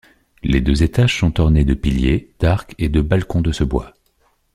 Les deux étages sont ornées de piliers, d'arcs et de balcons de ce bois.